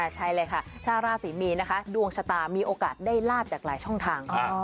ใช่เลยค่ะชาวราศรีมีนนะคะดวงชะตามีโอกาสได้ลาบจากหลายช่องทาง